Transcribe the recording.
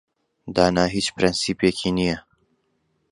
دانا هیچ پرەنسیپێکی نییە.